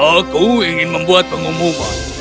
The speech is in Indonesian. aku ingin membuat pengumuman